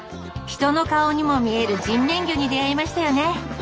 人の顔にも見える人面魚に出会いましたよね。